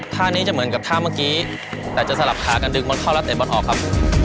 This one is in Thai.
ท่านี้จะเหมือนกับท่าเมื่อกี้แต่จะสลับขากันดึงบอลเข้าแล้วเตะบอลออกครับ